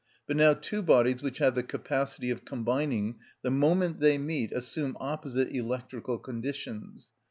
But now two bodies which have the capacity of combining, the moment they meet assume opposite electrical conditions.